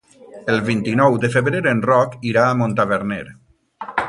El vint-i-nou de febrer en Roc irà a Montaverner.